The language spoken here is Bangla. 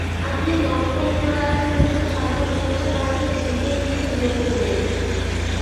আপনি নক্ষত্ররায়ের সহিত সাক্ষাৎ করিয়া তাঁহাকে যুদ্ধ হইতে বিরত করুন।